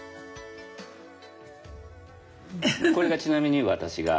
これがちなみに私が。